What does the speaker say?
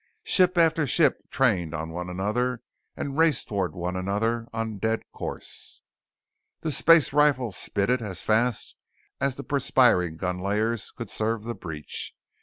Ship after ship trained on one another and raced towards one another on dead course. The space rifle spitted as fast as the perspiring gun layers could serve the breech.